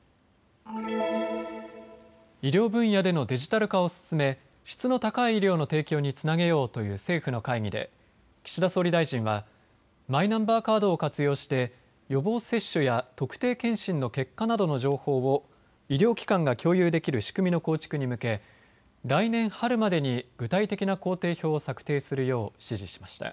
医療分野でのデジタル化を進め質の高い医療の提供につなげようという政府の会議で岸田総理大臣はマイナンバーカードを活用して予防接種や特定健診の結果などの情報を医療機関が共有できる仕組みの構築に向け、来年春までに具体的な工程表を策定するよう指示しました。